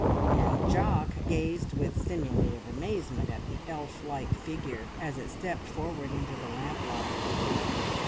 And Jock gazed with simulated amazement at the elf like figure as it stepped forward into the lamplight.